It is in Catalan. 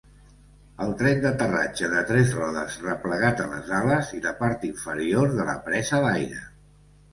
El tren d'aterratge de tres rodes replegat a les ales i la part inferior de la presa d'aire.